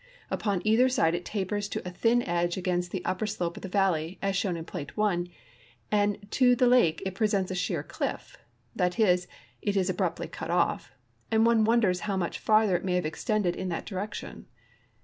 Upon either side it tapers to a thin edge against the upper slope of the valley, as shown in Plate 1, and to the lake it presents a sheer cliff — that is, it is abruptly cut off — and one wonders how much farther it may have extended in that direction.